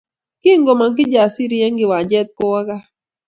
Kingomong Kijasiri eng kiwanjet kowo gaa